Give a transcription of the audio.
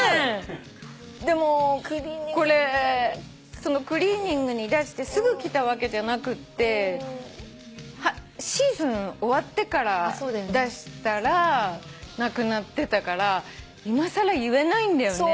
でもこれクリーニングに出してすぐ着たわけじゃなくてシーズン終わってから出したらなくなってたからいまさら言えないんだよね。